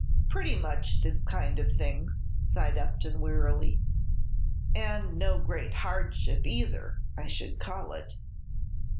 "Pretty much this kind of thing," sighed Upton, wearily. "And no great hardship either, I should call it."